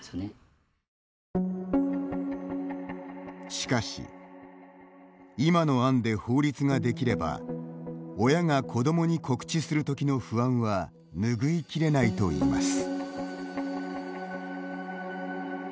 しかし、今の案で法律が出来れば、親が子どもに告知するときの不安はぬぐい切れないといいます。